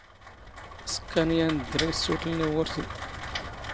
ⵚⴽⴽⴰⵏ ⵢⴰⵏ ⴷⴷⵔⵉ ⵉⵙⵙⵓⵜⵍⵏ ⵉ ⵡⵓⵔⵜⵉ.